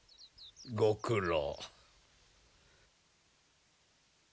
ご苦労。